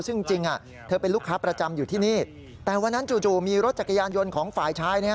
ซึ่งจริงเธอเป็นลูกค้าประจำอยู่ที่นี่แต่วันนั้นจู่มีรถจักรยานยนต์ของฝ่ายชาย